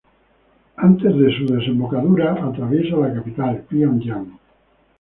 Antes de su desembocadura atraviesa la capital, Pionyang.